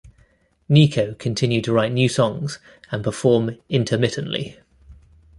Nico continued to write new songs and perform intermittently.